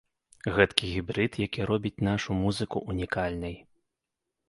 Гэткі гібрыд, які робіць нашу музыку унікальнай.